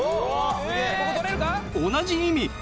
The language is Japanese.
同じ意味。